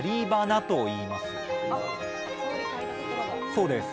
そうです。